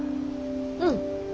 うん。